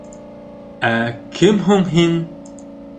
Ә кем һуң һин?